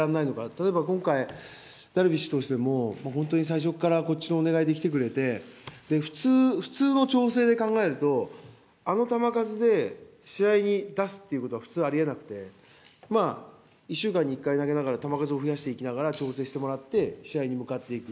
例えば今回、ダルビッシュ投手でも、本当に最初からこっちのお願いで来てくれて、普通、普通の調整で考えると、あの球数で試合に出すっていうことは普通ありえなくて、１週間に１回投げながら、球数を増やしていきながら調整してもらって、試合に向かっていく。